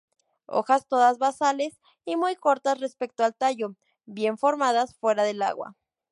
Hojas todas basales y muy cortas respecto al tallo, bien formadas fuera del agua.